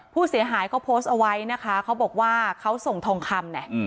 ผู้เสียหายเขาโพสต์เอาไว้นะคะเขาบอกว่าเขาส่งทองคำเนี่ย